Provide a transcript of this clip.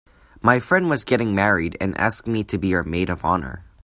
My friend was getting married and asked me to be her maid of honor.